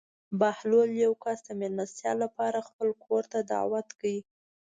بهلول یو کس د مېلمستیا لپاره خپل کور ته دعوت کړ.